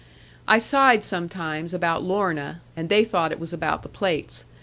I sighed sometimes about Lorna, and they thought it was about the plates.